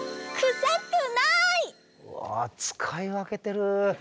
うわ使い分けてる。